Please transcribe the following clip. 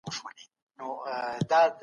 په ژوند کې هر کار ته په مثبت نظر وګورئ.